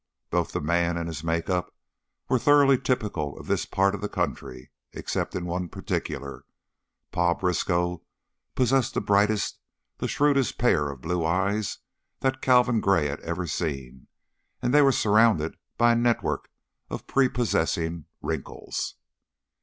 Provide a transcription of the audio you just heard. Both the man and his makeup were thoroughly typical of this part of the country, except in one particular Pa Briskow possessed the brightest, the shrewdest pair of blue eyes that Calvin Gray had ever seen, and they were surrounded by a network of prepossessing wrinkles.